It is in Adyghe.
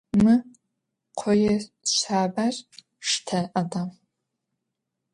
Mı khoê şsaber şşte, Adam.